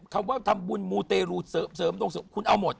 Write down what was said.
คำว่าทำบุญมูเตรูเสริมดวงเสริมคุณเอาหมด